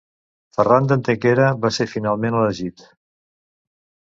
Ferran d'Antequera va ser finalment elegit.